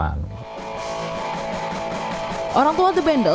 orang tua the bundles menyeimbangkan